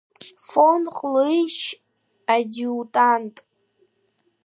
Фон-Ҟлыич адиутант…